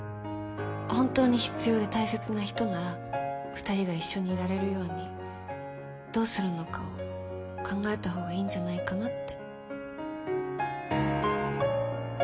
本当に必要で大切な人なら２人が一緒にいられるようにどうするのかを考えた方がいいんじゃないかなって